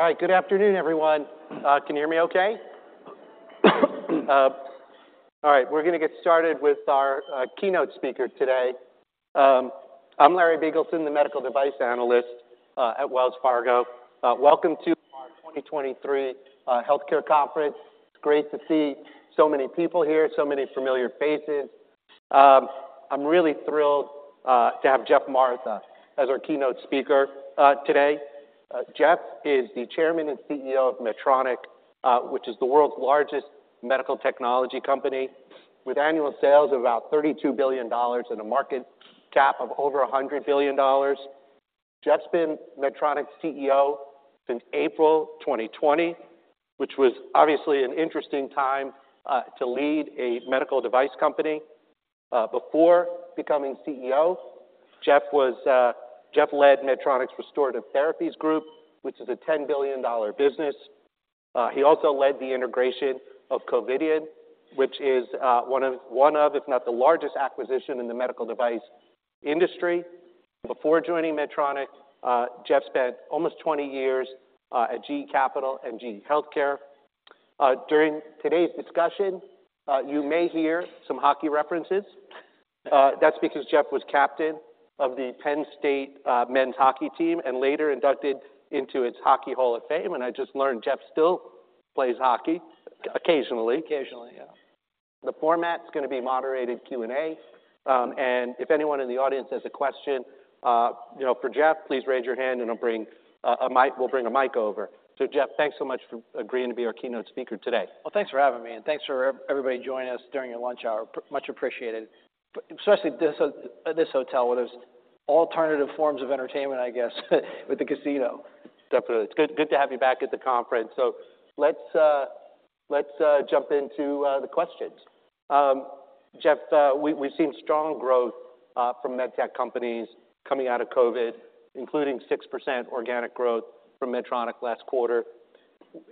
All right. Good afternoon, everyone. Can you hear me okay? All right, we're gonna get started with our keynote speaker today. I'm Larry Biegelsen, the medical device analyst at Wells Fargo. Welcome to our 2023 healthcare conference. It's great to see so many people here, so many familiar faces. I'm really thrilled to have Geoff Martha as our keynote speaker today. Geoff is the chairman and CEO of Medtronic, which is the world's largest medical technology company, with annual sales of about $32 billion and a market cap of over $100 billion. Geoff's been Medtronic's CEO since April 2020, which was obviously an interesting time to lead a medical device company. Before becoming CEO, Geoff was. Geoff led Medtronic's Restorative Therapies Group, which is a $10 billion business. He also led the integration of Covidien, which is one of, if not the largest acquisition in the medical device industry. Before joining Medtronic, Geoff spent almost 20 years at GE Capital and GE Healthcare. During today's discussion, you may hear some hockey references. That's because Geoff was captain of the Penn State men's hockey team and later inducted into its Hockey Hall of Fame. And I just learned Geoff still plays hockey occasionally. Occasionally, yeah. The format's gonna be moderated Q&A. If anyone in the audience has a question, you know, for Geoff, please raise your hand, and I'll bring a mic. We'll bring a mic over. So Geoff, thanks so much for agreeing to be our keynote speaker today. Well, thanks for having me, and thanks for everybody joining us during your lunch hour. Pretty much appreciated. But especially this, this hotel, where there's alternative forms of entertainment, I guess, with the casino. Definitely. It's good, good to have you back at the conference. So let's, let's, jump into the questions. Geoff, we've seen strong growth from med tech companies coming out of COVID, including 6% organic growth from Medtronic last quarter.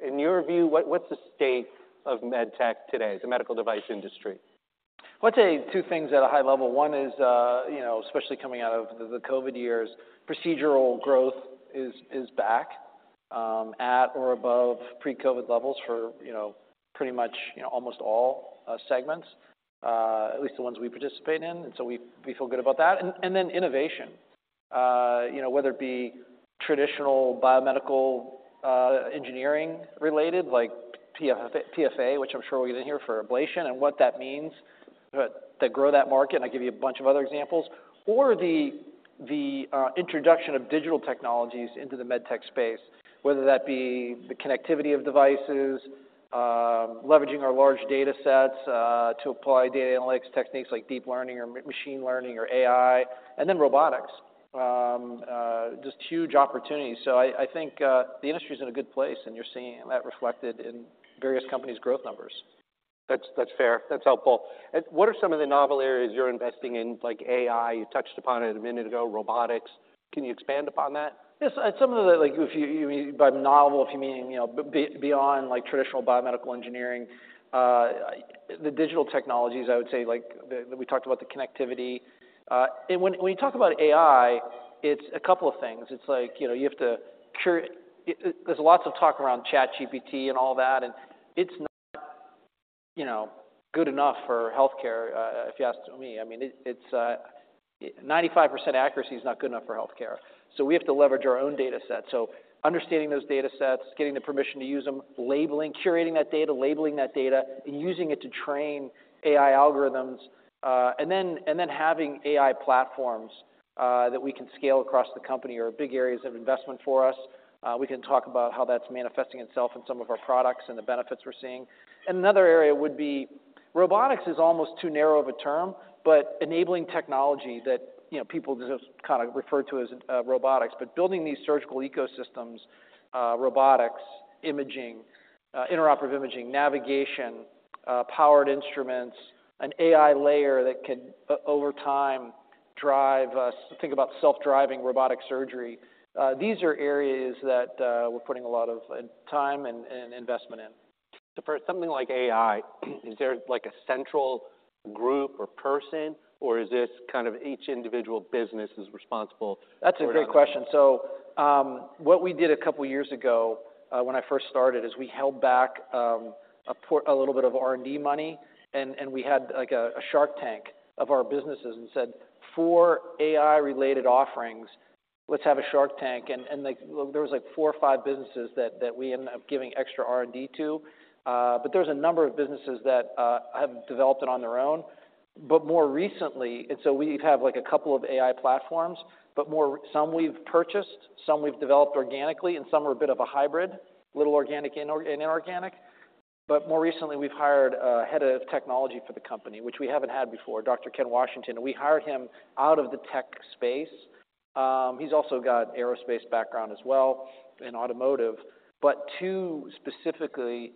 In your view, what's the state of med-tech today, the medical device industry? Well, I'd say two things at a high level. One is, you know, especially coming out of the COVID years, procedural growth is back, at or above pre-COVID levels for, you know, pretty much, you know, almost all, segments, at least the ones we participate in. And so we feel good about that. And then innovation. You know, whether it be traditional biomedical, engineering related, like PFA, which I'm sure we'll get in here for ablation and what that means, to grow that market, and I'll give you a bunch of other examples, or the introduction of digital technologies into the med-tech space, whether that be the connectivity of devices, leveraging our large data sets, to apply data analytics techniques like deep learning or machine learning or AI, and then robotics. Just huge opportunities. So I think the industry is in a good place, and you're seeing that reflected in various companies' growth numbers. That's, that's fair. That's helpful. What are some of the novel areas you're investing in, like AI? You touched upon it a minute ago, robotics. Can you expand upon that? Yes, and some of the, like, if you mean by novel, you know, beyond, like, traditional biomedical engineering, the digital technologies, I would say, like, the. We talked about the connectivity. And when you talk about AI, it's a couple of things. It's like, you know, you have to. There's lots of talk around ChatGPT and all that, and it's not, you know, good enough for healthcare, if you ask me. I mean, it's, 95% accuracy is not good enough for healthcare. So we have to leverage our own data set. So understanding those data sets, getting the permission to use them, labeling, curating that data, labeling that data, and using it to train AI algorithms, and then having AI platforms that we can scale across the company are big areas of investment for us. We can talk about how that's manifesting itself in some of our products and the benefits we're seeing. And another area would be... Robotics is almost too narrow of a term, but enabling technology that, you know, people just kind of refer to as robotics, but building these surgical ecosystems, robotics, imaging, interoperable imaging, navigation, powered instruments, an AI layer that can, over time, drive us to think about self-driving robotic surgery. These are areas that we're putting a lot of time and investment in. So, for something like AI, is there like a central group or person, or is this kind of each individual business responsible for? That's a great question. So, what we did a couple of years ago, when I first started, is we held back a little bit of R&D money, and we had, like, a shark tank of our businesses and said, "For AI-related offerings, let's have a shark tank." And, like, there was, like, four or five businesses that we ended up giving extra R&D to. But there's a number of businesses that have developed it on their own. But more recently, we have, like, a couple of AI platforms, but more—some we've purchased, some we've developed organically, and some are a bit of a hybrid, a little organic and inorganic. But more recently, we've hired a head of technology for the company, which we haven't had before, Dr. Ken Washington. We hired him out of the tech space. He's also got aerospace background as well, and automotive, but to specifically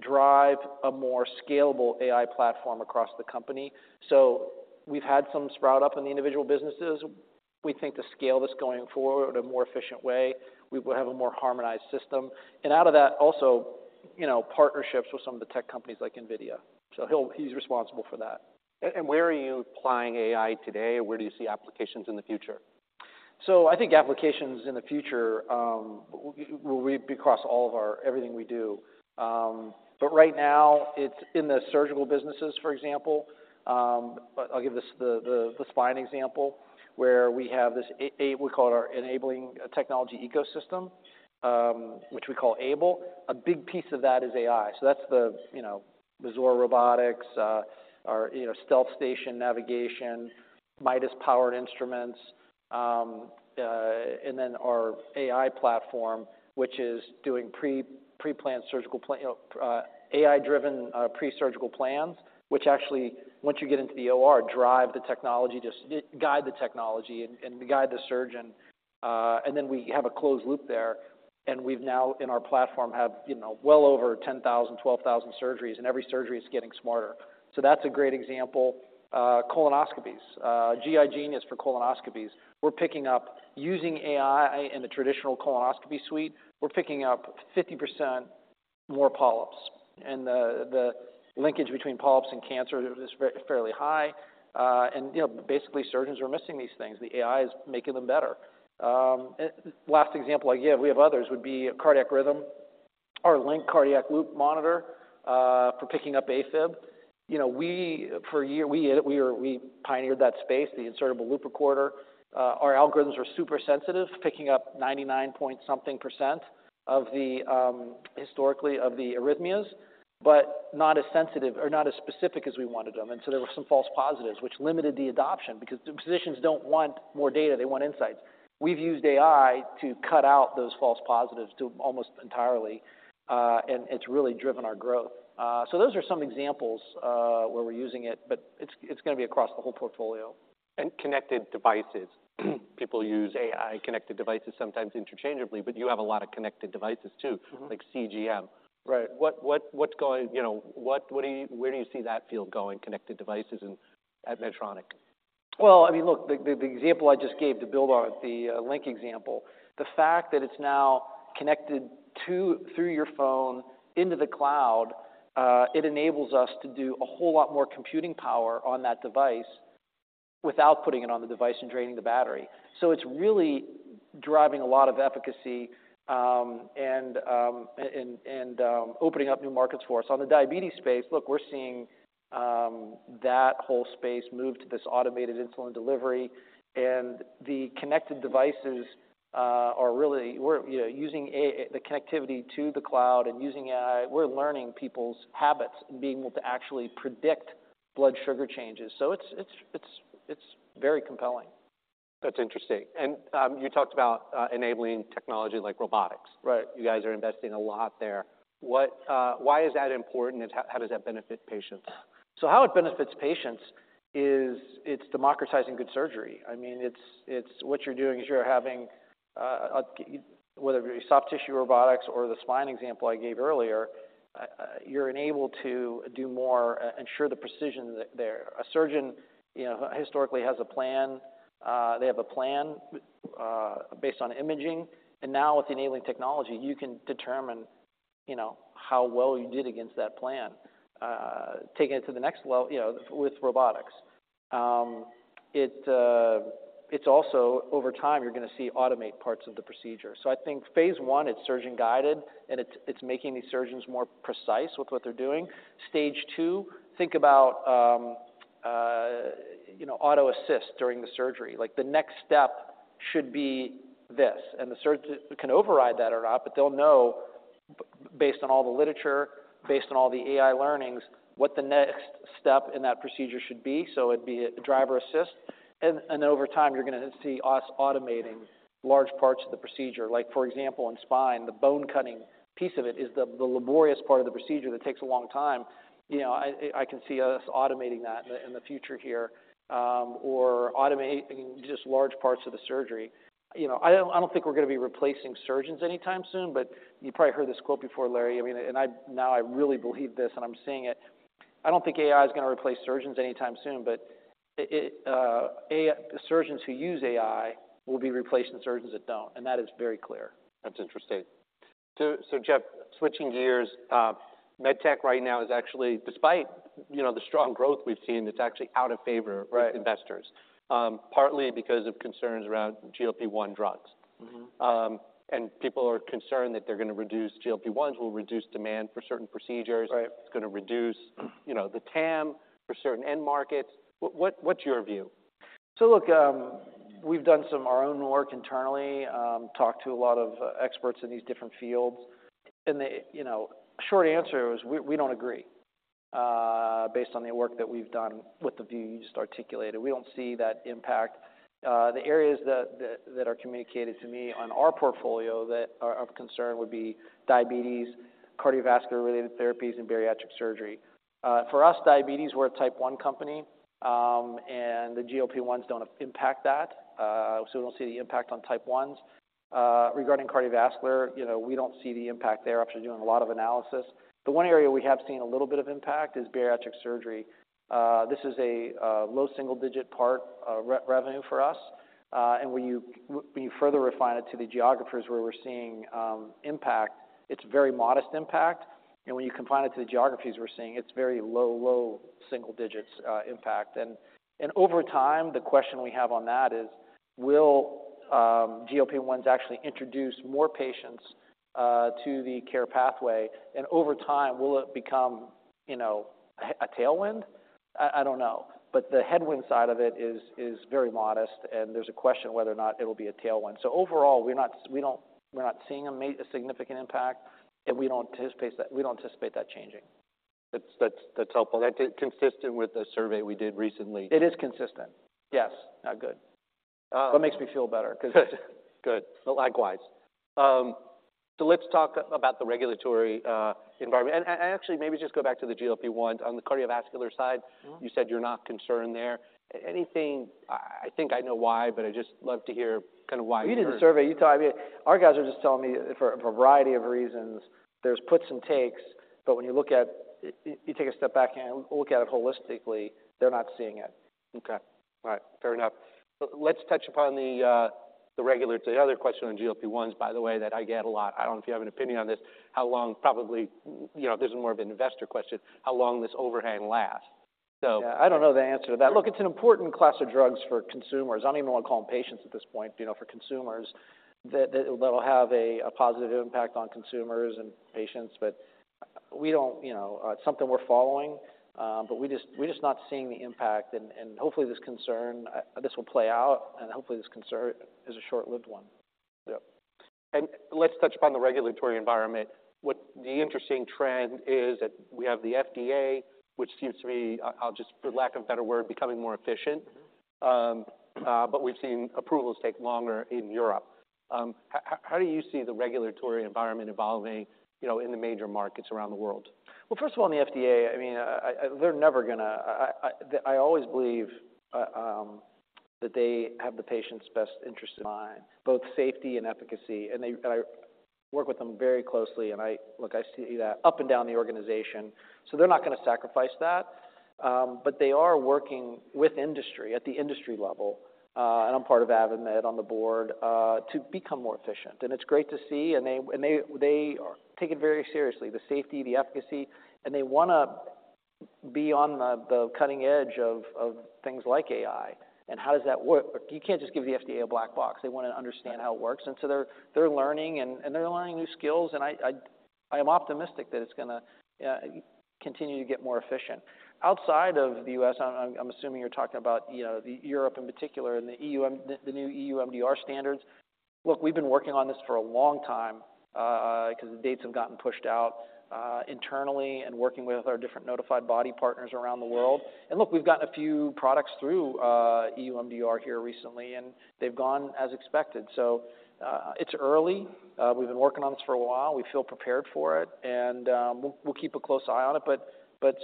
drive a more scalable AI platform across the company. So we've had some sprung up in the individual businesses. We think the scale that's going forward, a more efficient way, we will have a more harmonized system. And out of that, also, you know, partnerships with some of the tech companies like NVIDIA. So he's responsible for that. And where are you applying AI today? Where do you see applications in the future? So I think applications in the future will be across all of our everything we do. But right now, it's in the surgical businesses, for example. I'll give you the spine example, where we have this, we call it our enabling technology ecosystem, which we call AiBLE. A big piece of that is AI. So that's the, you know, Mazor Robotics, our, you know, StealthStation navigation, Midas Rex powered instruments, and then our AI platform, which is doing pre-planned surgical plans. You know, AI-driven pre-surgical plans, which actually, once you get into the OR, drive the technology, just guide the technology and guide the surgeon. And then we have a closed loop there, and we now, in our platform, have, you know, well over 10,000, 12,000 surgeries, and every surgery is getting smarter. So that's a great example. Colonoscopies, GI Genius for colonoscopies. We're picking up using AI in the traditional colonoscopy suite. We're picking up 50% more polyps, and the linkage between polyps and cancer is very fairly high. And, you know, basically, surgeons are missing these things. The AI is making them better. And last example I give, we have others, would be Reveal LINQ cardiac loop monitor for picking up AFib. You know, we for a year pioneered that space, the insertable loop recorder. Our algorithms are super sensitive, picking up 99.something% of the historically of the arrhythmias, but not as sensitive or not as specific as we wanted them. And so there were some false positives, which limited the adoption because the physicians don't want more data, they want insights. We've used AI to cut out those false positives to almost entirely, and it's really driven our growth. So those are some examples, where we're using it, but it's, it's gonna be across the whole portfolio. Connected devices. People use AI-connected devices, sometimes interchangeably, but you have a lot of connected devices too- Mm-hmm. -like CGM. Right. You know, where do you see that field going, connected devices and at Medtronic? Well, I mean, look, the, the example I just gave, to build on the, LINQ example, the fact that it's now connected to... through your phone into the cloud, it enables us to do a whole lot more computing power on that device without putting it on the device and draining the battery. So it's really driving a lot of efficacy, and opening up new markets for us. On the diabetes space, look, we're seeing, that whole space move to this automated insulin delivery, and the connected devices, are really... We're, you know, using the connectivity to the cloud and using AI. We're learning people's habits and being able to actually predict blood sugar changes. So it's very compelling. That's interesting. And you talked about enabling technology like robotics. Right. You guys are investing a lot there. What, Why is that important, and how does that benefit patients? So how it benefits patients is it's democratizing good surgery. I mean, it's, it's what you're doing, is you're having, whether it be soft tissue robotics or the spine example I gave earlier, you're enabled to do more, ensure the precision there. A surgeon, you know, historically, has a plan. They have a plan, based on imaging, and now with the enabling technology, you can determine, you know, how well you did against that plan. Taking it to the next level, you know, with robotics. It's also over time, you're gonna see automate parts of the procedure. So I think phase I, it's surgeon-guided, and it's, it's making these surgeons more precise with what they're doing. Stage two, think about, you know, auto-assist during the surgery. Like, the next step should be this, and the surgeon can override that or not, but they'll know, based on all the literature, based on all the AI learnings, what the next step in that procedure should be. So it'd be a driver assist. And then over time, you're gonna see us automating large parts of the procedure. Like, for example, in spine, the bone cutting piece of it is the laborious part of the procedure that takes a long time. You know, I, I can see us automating that in the future here, or automating just large parts of the surgery. You know, I don't, I don't think we're gonna be replacing surgeons anytime soon, but you probably heard this quote before, Larry. I mean, and I... Now I really believe this, and I'm seeing it. I don't think AI is gonna replace surgeons anytime soon, but AI, surgeons who use AI will be replacing surgeons that don't, and that is very clear. That's interesting. So, Geoff, switching gears, med tech right now is actually, despite, you know, the strong growth we've seen, it's actually out of favor- Right -with investors, partly because of concerns around GLP-1 drugs. Mm-hmm. People are concerned that GLP-1s will reduce demand for certain procedures. Right. It's gonna reduce, you know, the TAM for certain end markets. What's your view? So look, we've done some of our own work internally, talked to a lot of experts in these different fields, and they, you know, short answer is we don't agree based on the work that we've done with the view you just articulated. We don't see that impact. The areas that are communicated to me on our portfolio that are of concern would be diabetes, cardiovascular-related therapies, and bariatric surgery. For us, diabetes, we're a type one company, and the GLP-1s don't impact that, so we don't see the impact on type ones. Regarding cardiovascular, you know, we don't see the impact there after doing a lot of analysis. The one area we have seen a little bit of impact is bariatric surgery. This is a low single-digit part of revenue for us. And when you further refine it to the geographies where we're seeing impact, it's very modest impact. And when you confine it to the geographies we're seeing, it's very low single-digits impact. And over time, the question we have on that is, will GLP-1s actually introduce more patients to the care pathway? And over time, will it become, you know, a tailwind? I don't know, but the headwind side of it is very modest, and there's a question whether or not it'll be a tailwind. So overall, we're not seeing a significant impact, and we don't anticipate that, we don't anticipate that changing. That's helpful. That is consistent with the survey we did recently. It is consistent. Yes. Good. That makes me feel better because Good. Likewise. So let's talk about the regulatory environment. Actually, maybe just go back to the GLP-1. On the cardiovascular side- Mm-hmm. You said you're not concerned there. Anything... I, I think I know why, but I'd just love to hear kind of why. You did the survey. You thought, I mean, our guys are just telling me for a variety of reasons, there's puts and takes, but when you look at, you take a step back and look at it holistically, they're not seeing it. Okay. All right. Fair enough. Let's touch upon the other question on GLP-1s, by the way, that I get a lot. I don't know if you have an opinion on this, how long, probably, you know, this is more of an investor question, how long this overhang lasts, so- Yeah, I don't know the answer to that. Look, it's an important class of drugs for consumers. I don't even want to call them patients at this point, you know, for consumers, that will have a positive impact on consumers and patients. But we don't, you know. It's something we're following, but we're just not seeing the impact. And hopefully, this concern will play out, and hopefully, this concern is a short-lived one. Yep. Let's touch upon the regulatory environment. What's the interesting trend is that we have the FDA, which seems to be, I'll just, for lack of a better word, becoming more efficient. Mm-hmm. We've seen approvals take longer in Europe. How do you see the regulatory environment evolving, you know, in the major markets around the world? Well, first of all, in the FDA, I mean, they're never gonna... I always believe that they have the patient's best interest in mind, both safety and efficacy, and they and I work with them very closely, and I... Look, I see that up and down the organization. So they're not gonna sacrifice that. But they are working with industry, at the industry level, and I'm part of AdvaMed on the board, to become more efficient. And it's great to see, and they take it very seriously, the safety, the efficacy, and they wanna be on the cutting edge of things like AI. And how does that work? You can't just give the FDA a black box. They wanna understand- Right. how it works, and so they're learning, and they're learning new skills. And I am optimistic that it's gonna continue to get more efficient. Outside of the U.S., I'm assuming you're talking about, you know, Europe in particular and the EU, the new EU MDR standards. Look, we've been working on this for a long time, because the dates have gotten pushed out, internally and working with our different notified body partners around the world. And look, we've gotten a few products through EU MDR here recently, and they've gone as expected. So, it's early. We've been working on this for a while. We feel prepared for it, and we'll keep a close eye on it, but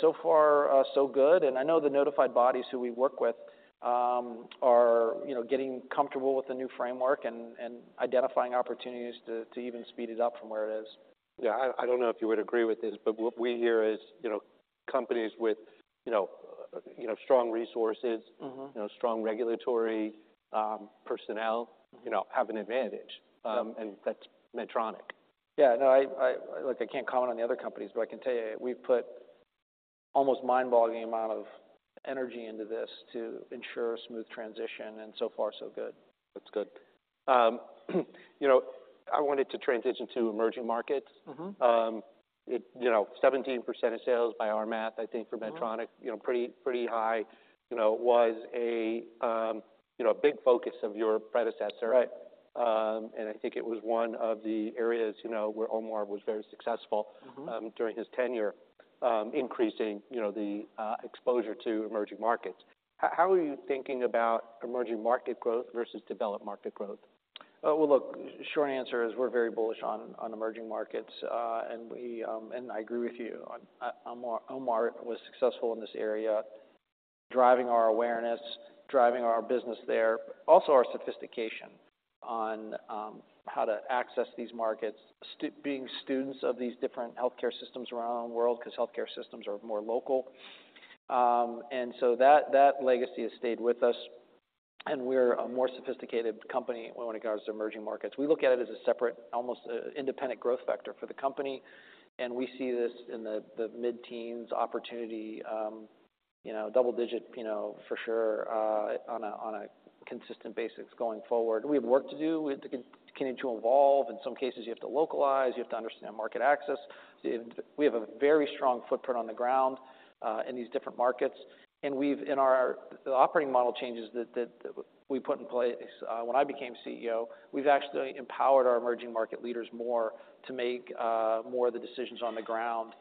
so far, so good. I know the notified bodies who we work with are, you know, getting comfortable with the new framework and identifying opportunities to even speed it up from where it is. Yeah. I, I don't know if you would agree with this, but what we hear is, you know, companies with, you know, strong resources- Mm-hmm. you know, strong regulatory personnel. Mm-hmm. You know, have an advantage. Yep. That's Medtronic. Yeah. No, look, I can't comment on the other companies, but I can tell you, we've put almost mind-boggling amount of energy into this to ensure a smooth transition, and so far, so good. That's good. You know, I wanted to transition to emerging markets. Mm-hmm. You know, 17% of sales by our math, I think for Medtronic- Mm-hmm. —you know, pretty, pretty high, you know, was a, you know, a big focus of your predecessor. Right. And I think it was one of the areas, you know, where Omar was very successful. Mm-hmm. During his tenure, increasing, you know, the exposure to emerging markets. How are you thinking about emerging market growth versus developed market growth? Well, look, short answer is we're very bullish on emerging markets. And I agree with you. Omar was successful in this area, driving our awareness, driving our business there, also our sophistication on how to access these markets, being students of these different healthcare systems around the world, because healthcare systems are more local. And so that legacy has stayed with us, and we're a more sophisticated company when it comes to emerging markets. We look at it as a separate, almost independent growth vector for the company, and we see this in the mid-teens opportunity, you know, double-digits, you know, for sure on a consistent basis going forward. We have work to do. We have to continue to evolve. In some cases, you have to localize, you have to understand market access. We have a very strong footprint on the ground in these different markets, and we've... In our-- The operating model changes that we put in place when I became CEO, we've actually empowered our emerging market leaders more to make more of the decisions on the ground.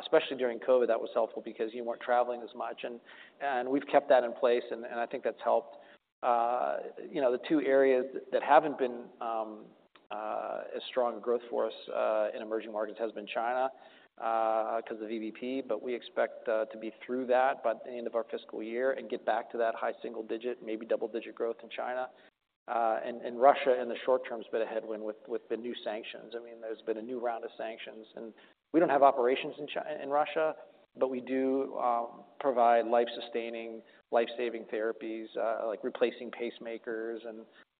Especially during COVID, that was helpful because you weren't traveling as much, and we've kept that in place, and I think that's helped. You know, the two areas that haven't been as strong a growth for us in emerging markets has been China because of VBP, but we expect to be through that by the end of our fiscal year and get back to that high single-digit, maybe double-digit growth in China. And Russia in the short-term, has been a headwind with the new sanctions. I mean, there's been a new round of sanctions, and we don't have operations in Russia, but we do provide life-sustaining, life-saving therapies, like replacing pacemakers,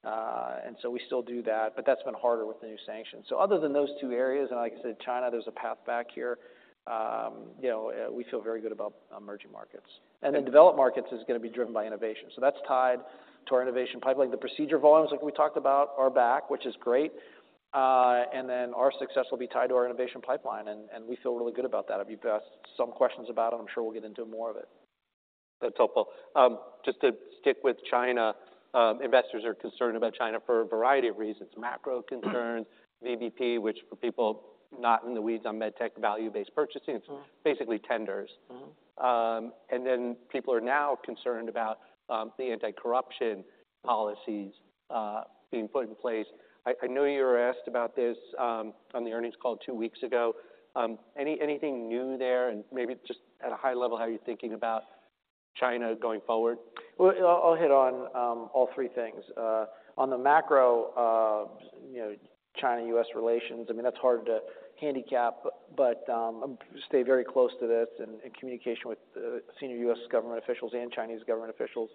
and so we still do that, but that's been harder with the new sanctions. So other than those two areas, and like I said, China, there's a path back here. You know, we feel very good about emerging markets. And in developed markets, it's gonna be driven by innovation. So that's tied to our innovation pipeline. The procedure volumes, like we talked about, are back, which is great. And then our success will be tied to our innovation pipeline, and we feel really good about that. I've been asked some questions about it. I'm sure we'll get into more of it. That's helpful. Just to stick with China, investors are concerned about China for a variety of reasons, macro concerns, VBP, which for people not in the weeds on med-tech, value-based purchasing, it's basically tenders. Mm-hmm. And then people are now concerned about the anti-corruption policies being put in place. I know you were asked about this on the earnings call two weeks ago. Anything new there? And maybe just at a high level, how are you thinking about China going forward? Well, I'll hit on all three things. On the macro, you know, China-U.S. relations, I mean, that's hard to handicap, but stay very close to this and in communication with senior U.S. government officials and Chinese government officials.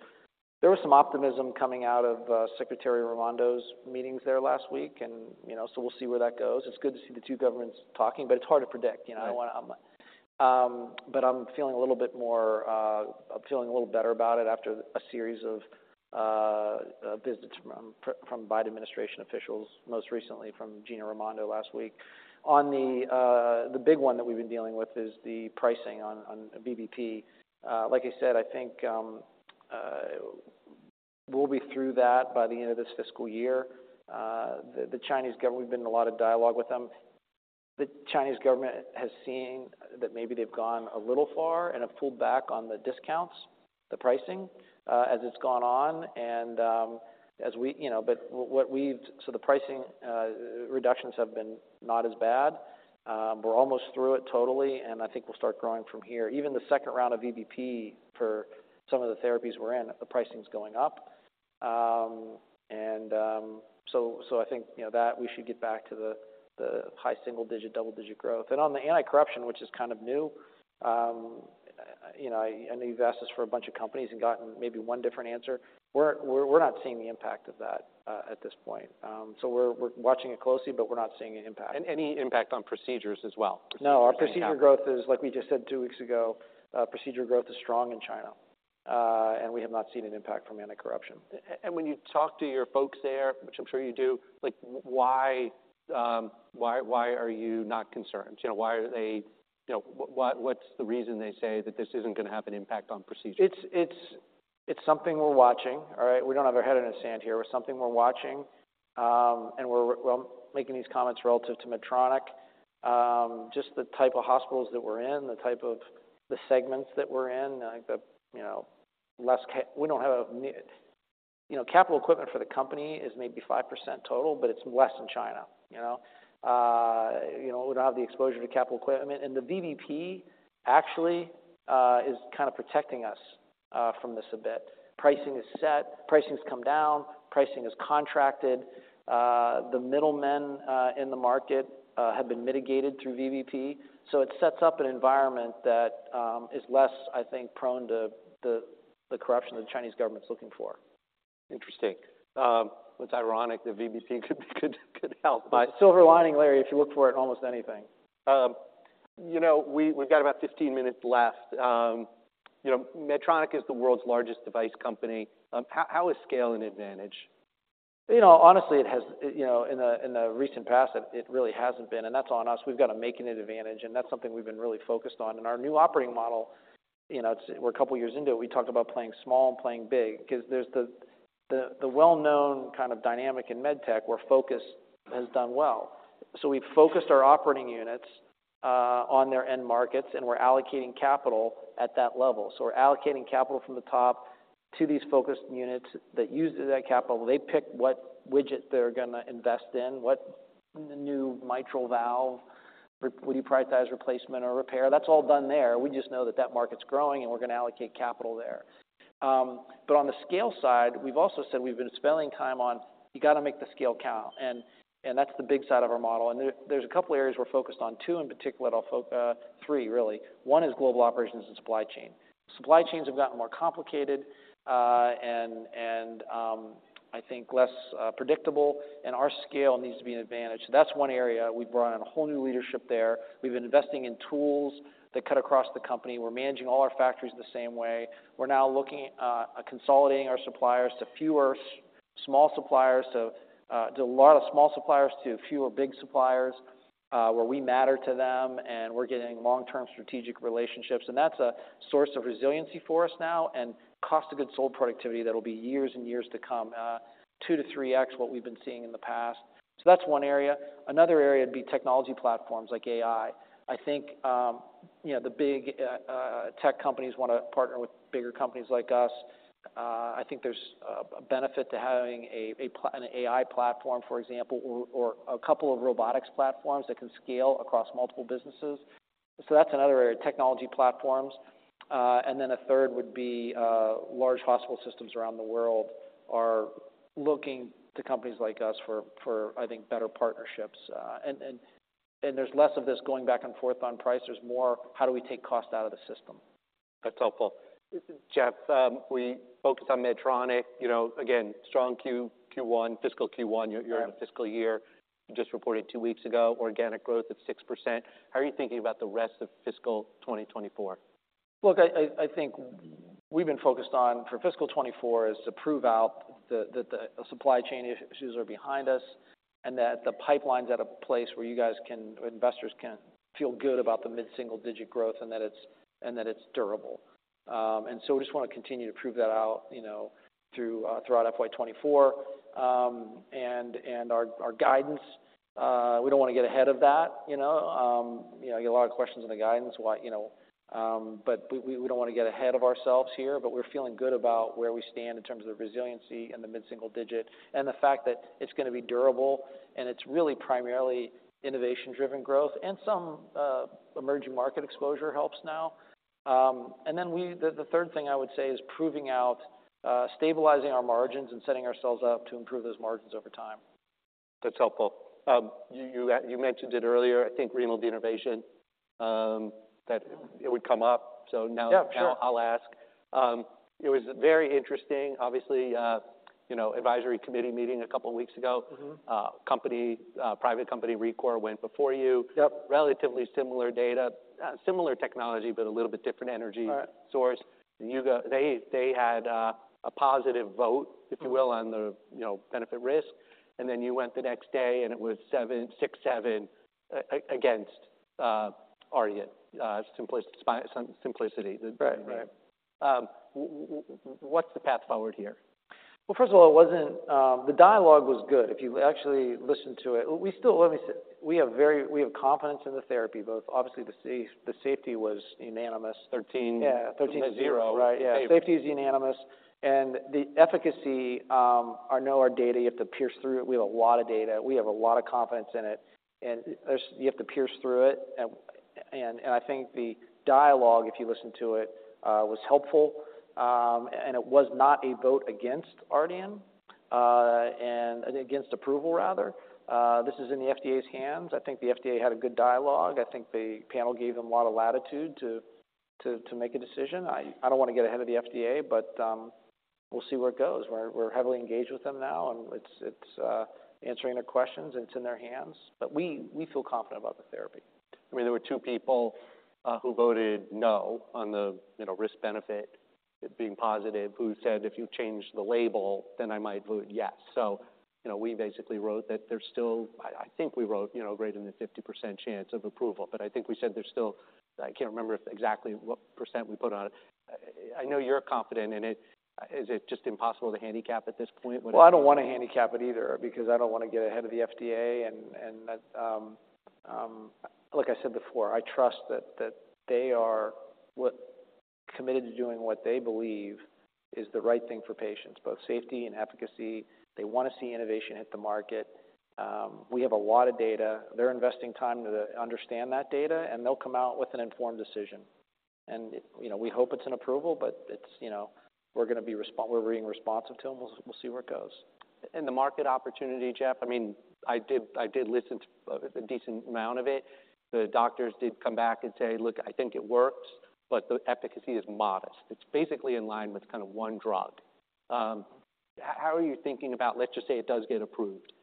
There was some optimism coming out of Secretary Raimondo's meetings there last week, and, you know, so we'll see where that goes. It's good to see the two governments talking, but it's hard to predict, you know? Right. I don't want to... but I'm feeling a little bit more, I'm feeling a little better about it after a series of visits from Biden administration officials, most recently from Gina Raimondo last week. On the big one that we've been dealing with is the pricing on VBP. Like you said, I think we'll be through that by the end of this fiscal year. The Chinese government, we've been in a lot of dialogue with them. The Chinese government has seen that maybe they've gone a little far and have pulled back on the discounts, the pricing as it's gone on. And, you know, but what we've... So the pricing reductions have been not as bad. We're almost through it totally, and I think we'll start growing from here. Even the second round of VBP for some of the therapies we're in, the pricing's going up. And, so I think, you know, that we should get back to the high single-digit, double-digit growth. And on the anti-corruption, which is kind of new, you know, I know you've asked us for a bunch of companies and gotten maybe one different answer. We're not seeing the impact of that at this point. So we're watching it closely, but we're not seeing an impact. Any impact on procedures as well? No, our procedure growth is, like we just said two weeks ago, procedure growth is strong in China, and we have not seen an impact from anti-corruption. And when you talk to your folks there, which I'm sure you do, like, why, why are you not concerned? You know, why are they... You know, what, what's the reason they say that this isn't gonna have an impact on procedure? It's something we're watching, all right? We don't have our heads in the sand here. It's something we're watching, and we're well making these comments relative to Medtronic. Just the type of hospitals that we're in, the type of the segments that we're in, I think, you know, capital equipment for the company is maybe 5% total, but it's less in China, you know? You know, we don't have the exposure to capital equipment, and the VBP actually is kind of protecting us from this a bit. Pricing is set, pricing's come down, pricing is contracted. The middlemen in the market have been mitigated through VBP. So it sets up an environment that is less, I think, prone to the corruption the Chinese government's looking for. Interesting. It's ironic that VBP could help. A silver lining, Larry, if you look for it, almost anything. You know, we've got about 15 minutes left. You know, Medtronic is the world's largest device company. How is scale an advantage? You know, honestly, it has. You know, in the recent past, it really hasn't been, and that's on us. We've got to make it an advantage, and that's something we've been really focused on. In our new operating model, you know, it's. We're a couple of years into it. We talked about playing small and playing big because there's the well-known kind of dynamic in med-tech, where focus has done well. So we've focused our operating units on their end markets, and we're allocating capital at that level. So we're allocating capital from the top to these focused units that use that capital. They pick what widget they're gonna invest in, what new mitral valve, would you prioritize replacement or repair? That's all done there. We just know that that market's growing, and we're going to allocate capital there. But on the scale side, we've also said we've been spending time on, you got to make the scale count, and that's the big side of our model. And there, there's a couple areas we're focused on, two in particular, that I'll three, really. One is global operations and supply chain. Supply chains have gotten more complicated, and I think less predictable, and our scale needs to be an advantage. So that's one area we've brought on a whole new leadership there. We've been investing in tools that cut across the company. We're managing all our factories the same way. We're now looking, consolidating our suppliers to fewer small suppliers, so, to a lot of small suppliers, to fewer big suppliers, where we matter to them, and we're getting long-term strategic relationships, and that's a source of resiliency for us now, and cost of goods sold productivity that'll be years and years to come, 2x-3x what we've been seeing in the past. So that's one area. Another area would be technology platforms like AI. I think, you know, the big tech companies want to partner with bigger companies like us. I think there's a benefit to having an AI platform, for example, or a couple of robotics platforms that can scale across multiple businesses. So that's another area, technology platforms. And then a third would be large hospital systems around the world are looking to companies like us for, I think, better partnerships. And there's less of this going back and forth on price. There's more, how do we take cost out of the system? That's helpful. Geoff, we focused on Medtronic, you know, again, strong Q1, fiscal Q1. Yeah. Your fiscal year, you just reported two weeks ago, organic growth at 6%. How are you thinking about the rest of fiscal 2024? Look, I think we've been focused on, for fiscal 2024, is to prove out that the supply chain issues are behind us, and that the pipeline's at a place where you guys can... investors can feel good about the mid-single digit growth and that it's, and that it's durable. And so we just want to continue to prove that out, you know, throughout FY 2024. And our guidance, we don't want to get ahead of that, you know. You know, I get a lot of questions on the guidance, why, you know. But we don't want to get ahead of ourselves here. But we're feeling good about where we stand in terms of the resiliency and the mid-single-digit, and the fact that it's gonna be durable, and it's really primarily innovation-driven growth. Some emerging market exposure helps now. Then the third thing I would say is proving out, stabilizing our margins and setting ourselves up to improve those margins over time. That's helpful. You mentioned it earlier, I think renal denervation, that it would come up. So now- Yeah, sure. - I'll ask. It was very interesting. Obviously, you know, advisory committee meeting a couple of weeks ago. Mm-hmm. Company, private company, ReCor, went before you. Yep. Relatively similar data, similar technology, but a little bit different energy- Right. source. You got they had a positive vote, if you will. Mm-hmm on the, you know, benefit-risk. And then you went the next day, and it was six-seven against Ardian Symplicity. Right. Right. What's the path forward here? Well, first of all, it wasn't. The dialogue was good. If you actually listened to it, we still let me say, we have confidence in the therapy, both obviously, the safety was unanimous. Thirteen- Yeah. 13 to 0. Right. Yeah. Safety is unanimous, and the efficacy, I know our data, you have to pierce through it. We have a lot of data. We have a lot of confidence in it, and there's you have to pierce through it. And I think the dialogue, if you listen to it, was helpful, and it was not a vote against Ardian, and against approval, rather. This is in the FDA's hands. I think the FDA had a good dialogue. I think the panel gave them a lot of latitude to make a decision. I don't want to get ahead of the FDA, but we'll see where it goes. We're heavily engaged with them now, and it's answering their questions, and it's in their hands, but we feel confident about the therapy. I mean, there were two people who voted no on the, you know, risk-benefit being positive, who said, "If you change the label, then I might vote yes." So, you know, we basically wrote that there's still... I, I think we wrote, you know, greater than a 50% chance of approval, but I think we said there's still... I can't remember exactly what percent we put on it. I know you're confident in it. Is it just impossible to handicap at this point? Well, I don't want to handicap it either, because I don't want to get ahead of the FDA, and, like I said before, I trust that they are committed to doing what they believe is the right thing for patients, both safety and efficacy. They want to see innovation hit the market. We have a lot of data. They're investing time to understand that data, and they'll come out with an informed decision. You know, we hope it's an approval, but it's, you know, we're being responsive to them. We'll see where it goes. The market opportunity, Geoff, I mean, I did, I did listen to a decent amount of it. The doctors did come back and say: Look, I think it works, but the efficacy is modest. It's basically in line with kind of one drug. How are you thinking about... Let's just say it does get approved,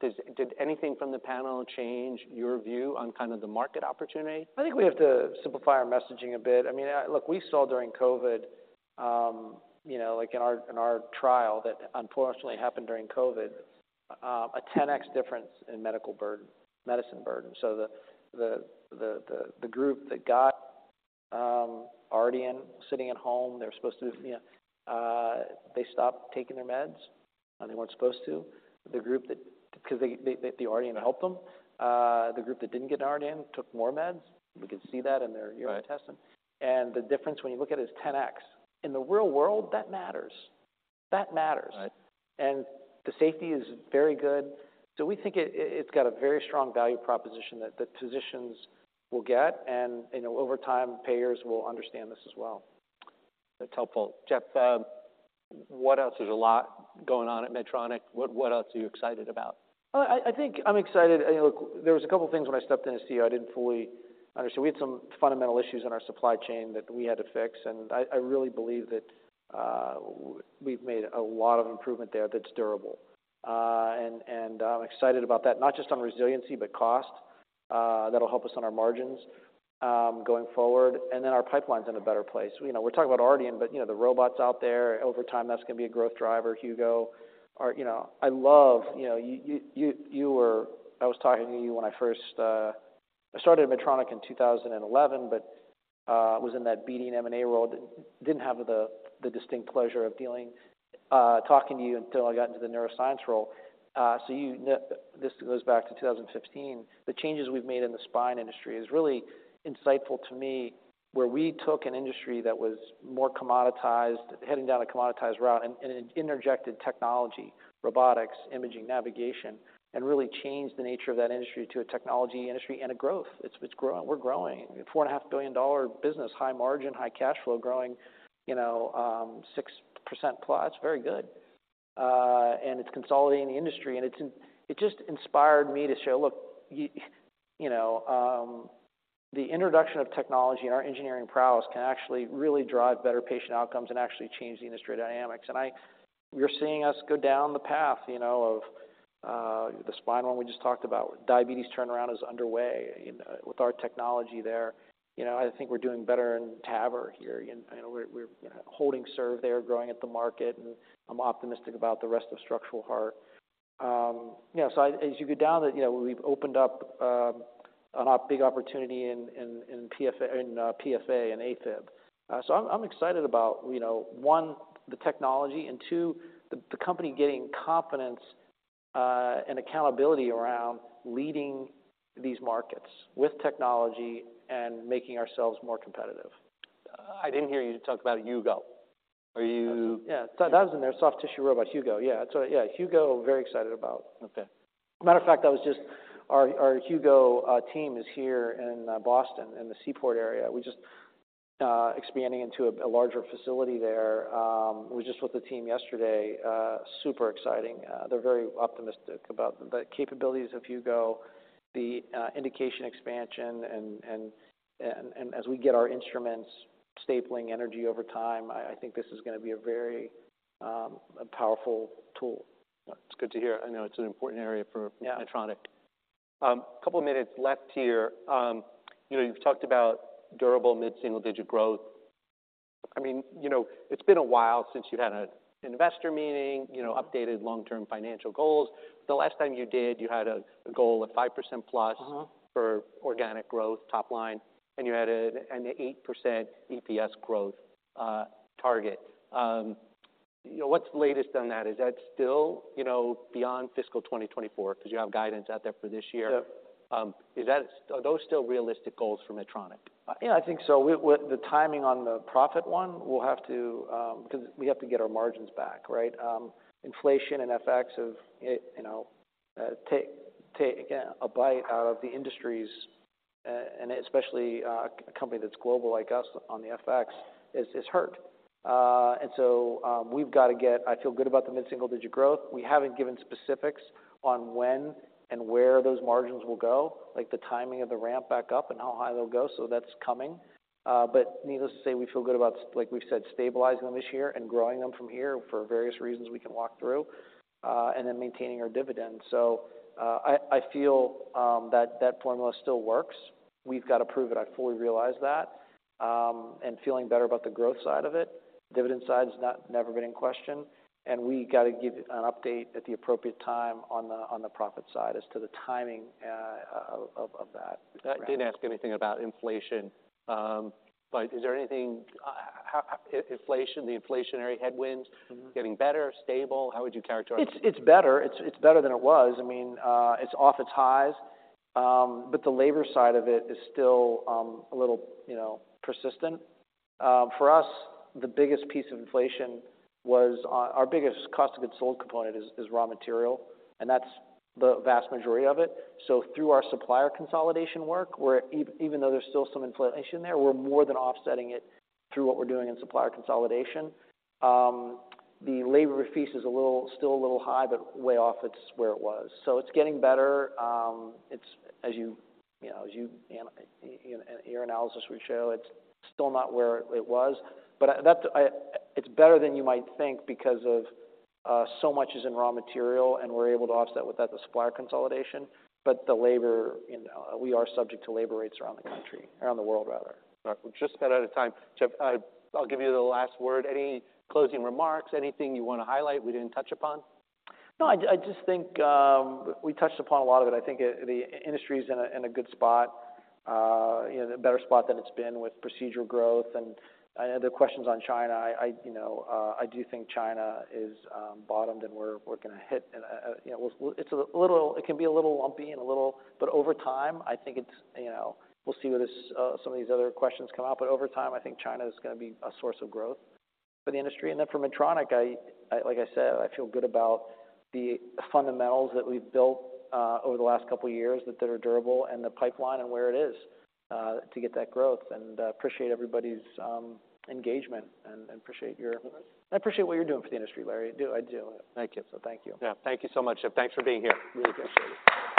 did anything from the panel change your view on kind of the market opportunity? I think we have to simplify our messaging a bit. I mean, look, we saw during COVID, you know, like in our trial, that unfortunately happened during COVID, a 10x difference in medical burden, medicine burden. So the group that got Ardian sitting at home, they're supposed to, you know, they stopped taking their meds, and they weren't supposed to. The group that because they, the Ardian helped them. The group that didn't get Ardian took more meds. We could see that in their urine testing. Right. The difference, when you look at it, is 10x. In the real world, that matters. That matters. Right. The safety is very good. We think it, it's got a very strong value proposition that the physicians will get, and, you know, over time, payers will understand this as well. That's helpful. Geoff, what else? There's a lot going on at Medtronic. What, what else are you excited about? I think I'm excited. Look, there was a couple things when I stepped in as CEO, I didn't fully understand. We had some fundamental issues in our supply chain that we had to fix, and I really believe that, we've made a lot of improvement there that's durable. And I'm excited about that, not just on resiliency, but cost. That'll help us on our margins going forward, and then our pipeline's in a better place. You know, we're talking about Ardian, but, you know, the robots out there, over time, that's going to be a growth driver. Hugo, or you know, I love—you know, you were—I was talking to you when I first, I started at Medtronic in 2011, but, was in that BD and M&A role. Didn't have the distinct pleasure of dealing with you, talking to you until I got into the neuroscience role. So you know, this goes back to 2015. The changes we've made in the spine industry is really insightful to me, where we took an industry that was more commoditized, heading down a commoditized route, and interjected technology, robotics, imaging, navigation, and really changed the nature of that industry to a technology industry and a growth. It's growing. We're growing. $4.5 billion business, high margin, high cash flow, growing, you know, 6%+, very good. And it's consolidating the industry, and it just inspired me to show, look, you know, the introduction of technology and our engineering prowess can actually really drive better patient outcomes and actually change the industry dynamics. And you're seeing us go down the path, you know, of the spine one we just talked about. Diabetes turnaround is underway, you know, with our technology there. You know, I think we're doing better in TAVR here, and we're holding serve there, growing at the market, and I'm optimistic about the rest of structural heart. So as you go down, you know, we've opened up a big opportunity in PFA and AFib. So I'm excited about, you know, one, the technology, and two, the company getting confidence and accountability around leading these markets with technology and making ourselves more competitive. I didn't hear you talk about Hugo. Are you- Yeah, that was in there. Soft tissue robot, Hugo. Yeah. So yeah, Hugo, very excited about. Okay. Matter of fact, that was just... Our Hugo team is here in Boston, in the Seaport area. We're just expanding into a larger facility there. We were just with the team yesterday, super exciting. They're very optimistic about the capabilities of Hugo, the indication expansion, and as we get our instruments, stapling energy over time, I think this is gonna be a very a powerful tool. It's good to hear. I know it's an important area for Medtronic. Yeah. A couple of minutes left here. You know, you've talked about durable mid-single-digit growth. I mean, you know, it's been a while since you had an investor meeting, you know, updated long-term financial goals. The last time you did, you had a goal of 5%+ Uh-huh. For organic growth, top-line, and you had an 8% EPS growth target. You know, what's the latest on that? Is that still, you know, beyond fiscal 2024? Because you have guidance out there for this year. Yeah. Is that, are those still realistic goals for Medtronic? Yeah, I think so. With the timing on the profit one, we'll have to, because we have to get our margins back, right? Inflation and FX have, you know, taken a bite out of the industries, and especially a company that's global like us on the FX is hurt. And so, we've got to get... I feel good about the mid-single-digit growth. We haven't given specifics on when and where those margins will go, like the timing of the ramp back up and how high they'll go, so that's coming. But needless to say, we feel good about, like we've said, stabilizing them this year and growing them from here for various reasons we can walk through, and then maintaining our dividend. So, I feel that that formula still works. We've got to prove it, I fully realize that, and feeling better about the growth side of it. Dividend side is not, never been in question, and we got to give an update at the appropriate time on the profit side as to the timing of that. I didn't ask anything about inflation, but is there anything, inflation, the inflationary headwinds- Mm-hmm. Getting better, stable? How would you characterize it? It's better. It's better than it was. I mean, it's off its highs, but the labor side of it is still a little, you know, persistent. For us, the biggest piece of inflation was our biggest cost of goods sold component is raw material, and that's the vast majority of it. So through our supplier consolidation work, we're even though there's still some inflation there, we're more than offsetting it through what we're doing in supplier consolidation. The labor fees is still a little high, but way off its where it was. So it's getting better. It's, as you know, in your analysis would show, it's still not where it was, but that's, it's better than you might think because of so much is in raw material, and we're able to offset with that, the supplier consolidation. But the labor, you know, we are subject to labor rates around the country, around the world rather. All right. We're just about out of time. Geoff, I, I'll give you the last word. Any closing remarks? Anything you want to highlight we didn't touch upon? No, I just think we touched upon a lot of it. I think it, the industry is in a good spot, you know, a better spot than it's been with procedural growth. And the questions on China, I you know, I do think China is bottomed, and we're gonna hit, you know, it's a little-- It can be a little lumpy and a little... But over time, I think it's, you know, we'll see where this, some of these other questions come up. But over time, I think China is gonna be a source of growth for the industry. Then for Medtronic, like I said, I feel good about the fundamentals that we've built over the last couple of years, that they are durable, and the pipeline and where it is to get that growth. I appreciate everybody's engagement and appreciate your- Of course. I appreciate what you're doing for the industry, Larry. I do, I do. Thank you. Thank you. Yeah. Thank you so much, Geoff. Thanks for being here. Really appreciate it.